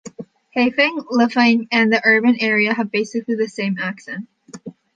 Haifeng, Lufeng and the urban area have basically the same accent.